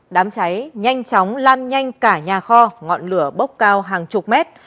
đám cháy nhanh chóng lan nhanh cả nhà kho ngọn lửa bốc cao hàng chục mét